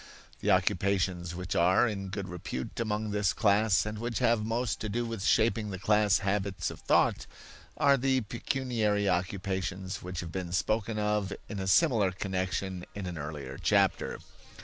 The occupations which are in good repute among this class and which have most to do with shaping the class habits of thought, are the pecuniary occupations which have been spoken of in a similar connection in an earlier chapter.